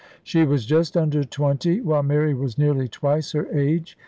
She was just under twenty, while Mary was nearly twice her age.